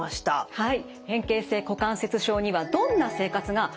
はい。